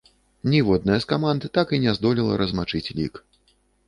Ніводная з каманд так і не здолела размачыць лік.